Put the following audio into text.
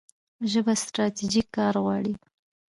ژبه ستراتیژیک کار غواړي.